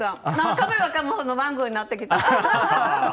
かめばかむほどマンゴーになってきた。